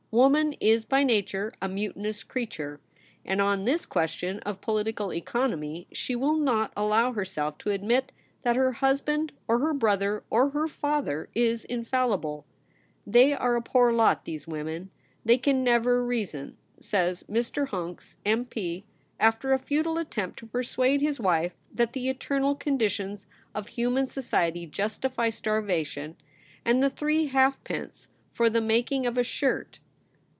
Woman is by nature a mutinous creature, and on this question of political economy she will not allow herself to admit that her husband or her brother or her father is infallible. * They are a poor lot, these women ; they can never reason,' says Mr. Huncks, M. P., after a futile attempt to persuade his wife that the eternal conditions of human society justify starvation and the three halfpence for the making of a 'IF YOU WERE QUEEX: 89 shirt.